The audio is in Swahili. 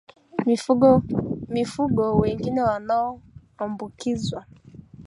Mifugo wengine wanaoambukizwa